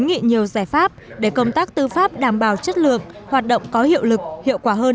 nghị nhiều giải pháp để công tác tư pháp đảm bảo chất lượng hoạt động có hiệu lực hiệu quả hơn